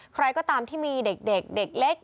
ใครก็ตามที่มีเด็กเด็กเล็ก